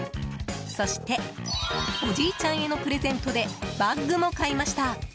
そして、おじいちゃんへのプレゼントでバッグも買いました。